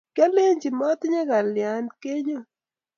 kyalechi, matinyo kalyain kenyo?